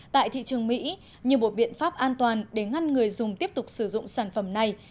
tại thị trường mỹ như một biện pháp an toàn để ngăn người dùng tiếp tục sử dụng sản phẩm này